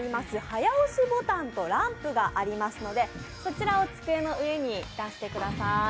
早押しボタンとランプがありますので、そちらを机の上に出してください。